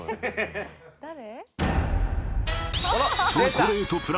「誰？」